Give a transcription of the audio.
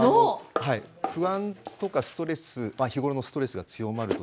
不安とかストレス日ごろのストレスが強まるとですね